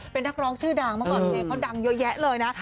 เป็นนักร้องชื่อดังเมื่อก่อนเพลงเขาดังเยอะแยะเลยนะ